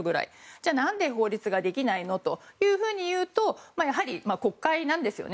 じゃあ何で法律ができないのというとやはり国会なんですよね。